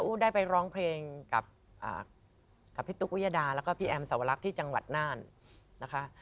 ได้ไปร้องเพลงกับพี่ตุ๊กวิยดาแล้วก็พี่แอมสวรรคที่จังหวัดน่านนะคะ